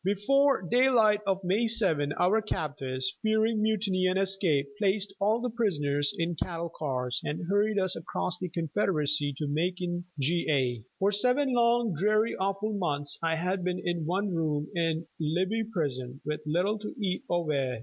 Before daylight of May 7 our captors, fearing mutiny and escape, placed all the prisoners in cattle cars and hurried us across the Confederacy to Macon, Ga. For seven long, dreary, awful months I had been in one room in Libby Prison, with little to eat or wear.